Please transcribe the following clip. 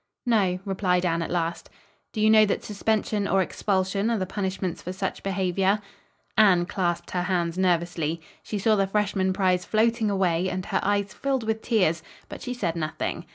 "No," replied Anne at last. "Do you know that suspension or expulsion are the punishments for such behavior?" Anne clasped her hands nervously. She saw the freshman prize floating away, and her eyes filled with tears, but she said nothing.